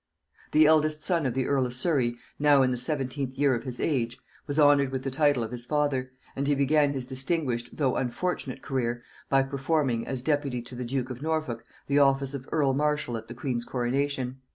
] The eldest son of the earl of Surry, now in the seventeenth year of his age, was honored with the title of his father; and he began his distinguished though unfortunate career by performing, as deputy to the duke of Norfolk, the office of earl marshal at the queen's coronation.